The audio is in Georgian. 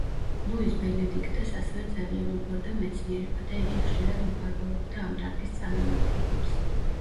ლუიზ ბენედიქტას ასევე ძალიან უყვარდა მეცნიერება და იგი ხშირად მფარველობდა ამ დარგის წარმომადგენლებს.